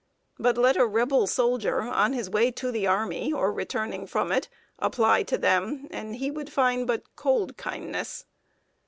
But let a Rebel soldier, on his way to the army, or returning from it, apply to them, and he would find but cold kindness.